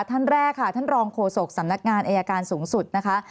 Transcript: ท่านแรกค่ะท่านรองโฆษกสำนักงานอายการสูงสุดนะคะ